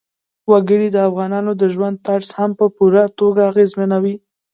وګړي د افغانانو د ژوند طرز هم په پوره توګه اغېزمنوي.